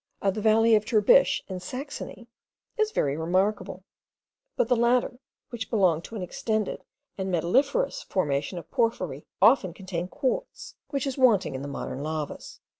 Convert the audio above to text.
of the valley of Tribisch in Saxony is very remarkable; but the latter, which belong to an extended and metalliferous formation of porphyry, often contain quartz, which is wanting in the modern lavas.